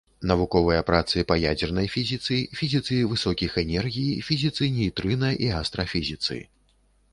Навуковыя працы па ядзернай фізіцы, фізіцы высокіх энергій, фізіцы нейтрына і астрафізіцы.